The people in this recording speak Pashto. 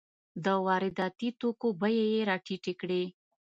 د وارداتي توکو بیې یې راټیټې کړې.